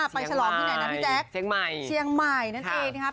ฉลองที่ไหนนะพี่แจ๊คเชียงใหม่เชียงใหม่นั่นเองนะครับ